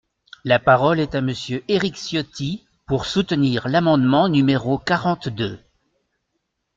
La parole est à Monsieur Éric Ciotti, pour soutenir l’amendement numéro quarante-deux.